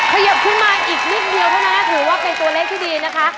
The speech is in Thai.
ขยับขึ้นมาอีกนิดเดียวเท่านั้นถือว่าเป็นตัวเลขที่ดีนะคะ